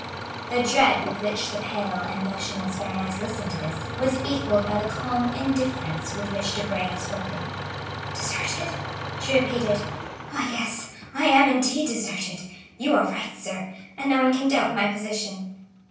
The dread with which the pale and motionless baroness listened to this, was equalled by the calm indifference with which Debray had spoken. "Deserted?" she repeated; "ah, yes, I am, indeed, deserted! You are right, sir, and no one can doubt my position."